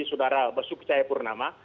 sudara besu kecaya purnama